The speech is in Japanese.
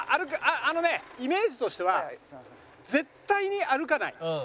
あのねイメージとしては絶対に歩かない。